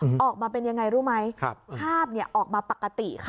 ออกมาเป็นยังไงรู้ไหมครับภาพเนี้ยออกมาปกติค่ะ